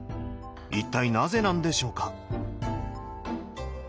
一体なぜなんでしょうか？